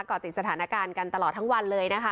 ก็ติดสถานการณ์กันตลอดทั้งวันเลยนะคะ